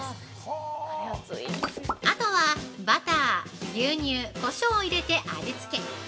あとは、バター、牛乳、こしょうを入れて味付け。